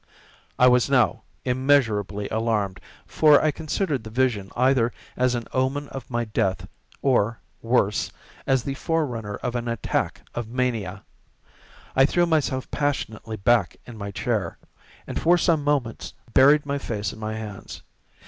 I was now immeasurably alarmed, for I considered the vision either as an omen of my death, or, worse, as the fore runner of an attack of mania. I threw myself passionately back in my chair, and for some moments buried my face in my hands.